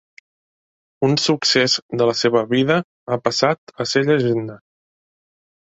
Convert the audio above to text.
Un succés de la seva vida ha passat a ser llegenda.